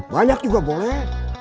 banyak juga boleh